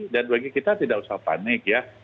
dan bagi kita tidak usah panik ya